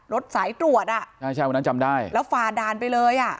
สายตรวจอ่ะใช่ใช่วันนั้นจำได้แล้วฝ่าด่านไปเลยอ่ะ